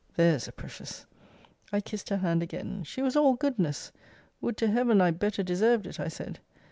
There's a precious! I kissed her hand again! She was all goodness! Would to Heaven I better deserved it, I said!